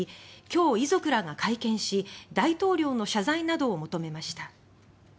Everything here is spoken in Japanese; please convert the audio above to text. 今日、遺族らが会見し大統領の謝罪などを求めました。